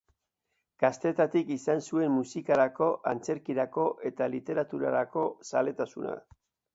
Gaztetatik izan zuen musikarako, antzerkirako eta literaturarako zaletasuna.